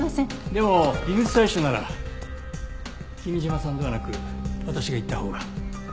でも微物採取なら君嶋さんではなく私が行ったほうが。